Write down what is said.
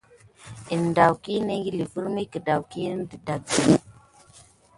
Kine netda pay virmi gudanikine akawu di kine tate ékile daidaba.